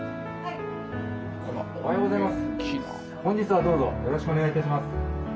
おはようございます。